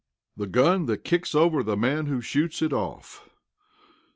THE GUN THAT KICKS OVER THE MAN WHO SHOOTS IT OFF.